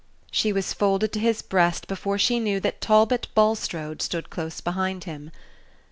She was folded to his breast before she knew that Talbot Bulstrode stood close behind him.